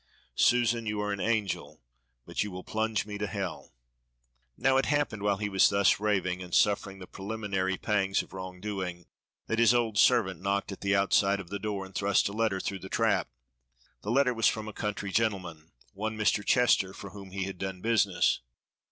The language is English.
Susan, you are an angel, but you will plunge me to hell." Now it happened while he was thus raving and suffering the preliminary pangs of wrong doing that his old servant knocked at the outside of the door and thrust a letter through the trap; the letter was from a country gentleman, one Mr. Chester, for whom he had done business.